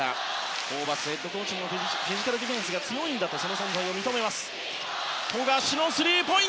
ホーバスヘッドコーチもフィジカルディフェンスが強いんだとその存在を認めます。